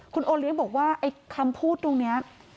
คุณโอเลี้ยงบอกว่าไอ้คำพูดตรงนี้